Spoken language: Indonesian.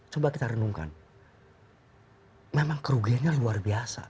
coba kita renungkan memang kerugiannya luar biasa